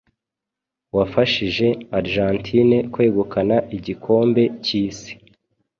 wafashije Argentine kwegukana Igikombe cy’Isi